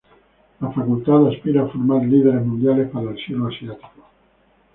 La facultad aspira a formar líderes mundiales para el siglo asiático.